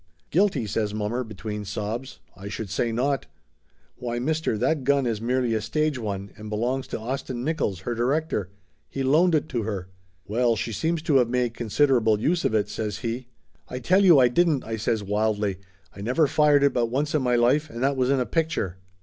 "Guilty?" says mommer between sobs. "I should say not ! Why, mister, that gun is merely a stage one and belongs to Austin Nickolls, her director. He loaned it to her." "Well, she seems to of made considerable use of it!" says he. Laughter Limited 311 "I tell you I didn't !" I says wildly. "I never fired it but once in my life and that was in a picture